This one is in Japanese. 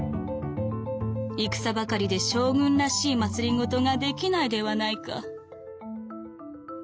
戦ばかりで将軍らしい政ができないではないか」。